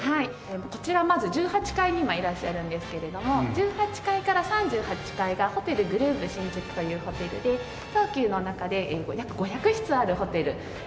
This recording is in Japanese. こちらまず１８階に今いらっしゃるんですけれども１８階から３８階がホテルグルーヴシンジュクというホテルで東急の中で約５００室あるホテルですね。